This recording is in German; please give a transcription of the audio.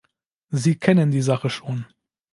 Sie kennen die Sache schon.